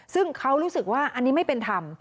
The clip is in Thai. ซึ่งเขารู้สึกว่าอันนี้ไม่เป็นธรรม